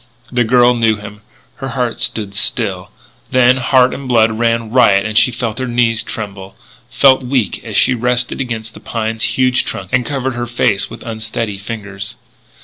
The girl knew him. Her heart stood still; then heart and blood ran riot and she felt her knees tremble, felt weak as she rested against the pine's huge trunk and covered her face with unsteady fingers.